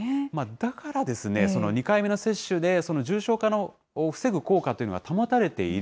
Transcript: だから、２回目の接種で重症化を防ぐ効果というのは保たれている。